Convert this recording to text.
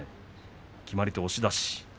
決まり手は押し出し。